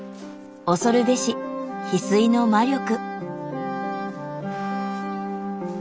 恐るべしヒスイの魔力。